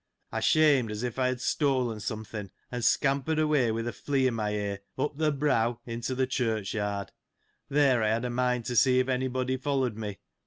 I shamed as if I had stolen something, and scampered away with a flea in my ear, up the. brow, into the church yard : there I had a mind to see if any body followed me.